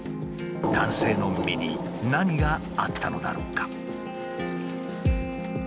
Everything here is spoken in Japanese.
男性の身に何があったのだろうか？